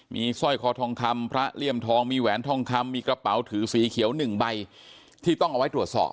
มีสร้อยคอทองคำพระเลี่ยมทองมีแหวนทองคำมีกระเป๋าถือสีเขียวหนึ่งใบที่ต้องเอาไว้ตรวจสอบ